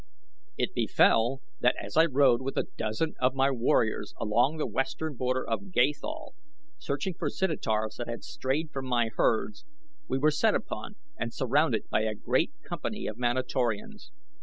"It befell that as I rode with a dozen of my warriors along the western border of Gathol searching for zitidars that had strayed from my herds, we were set upon and surrounded by a great company of Manatorians.